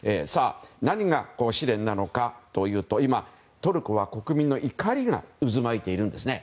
何が試練なのかというと今、トルコは国民の怒りが渦巻いているんですね。